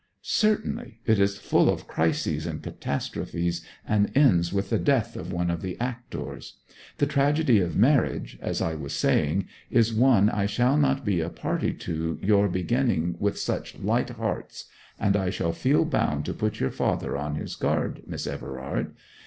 'Certainly. It is full of crises and catastrophes, and ends with the death of one of the actors. The tragedy of marriage, as I was saying, is one I shall not be a party to your beginning with such light hearts, and I shall feel bound to put your father on his guard, Miss Everard.